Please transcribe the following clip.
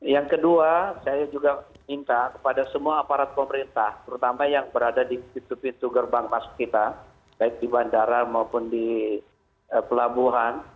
yang kedua saya juga minta kepada semua aparat pemerintah terutama yang berada di pintu pintu gerbang masuk kita baik di bandara maupun di pelabuhan